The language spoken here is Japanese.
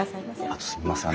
あとすみません